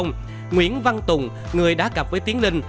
nguyễn văn tùng người đã gặp với tiến linh